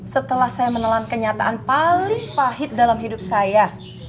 setelah saya menelan kenyataan paling pahit dalam hidup saya